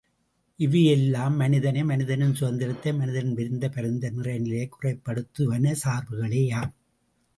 இவையெல்லாமே மனிதனை, மனிதனின் சுதந்திரத்தை, மனிதனின் விரிந்த பரந்த நிறை நிலையைக் குறைப்படுத்துவன சார்புகளேயாம்.